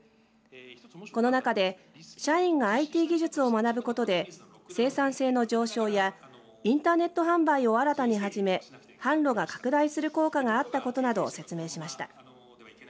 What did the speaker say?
この中で社員がＩＴ技術を学ぶことで生産性の上昇やインターネット販売を新たに始め販路が拡大する効果があったことなどを説明しました。